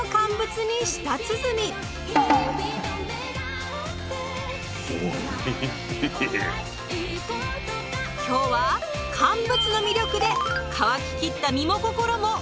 今日は乾物の魅力で乾ききった身も心も潤していきますよ。